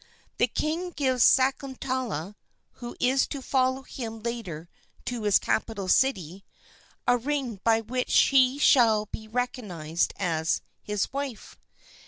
"The king gives Sakuntala, who is to follow him later to his capital city, a ring by which she shall be recognized as his wife.